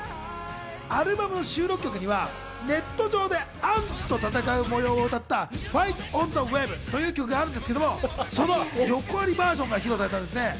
アルバムの収録曲にはネット上でアンチと戦う模様を歌った、『ＦｉｇｈｔｏｎｔｈｅＷｅｂ』という曲があるんですけど、その横アリバージョンが披露されたんです。